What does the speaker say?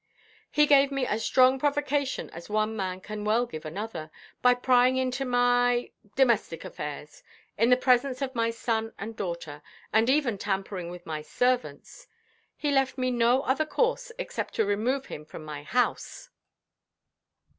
"He gave me as strong provocation as one man can well give another, by prying into my—domestic affairs, in the presence of my son and daughter, and even tampering with my servants. He left me no other course, except to remove him from my house."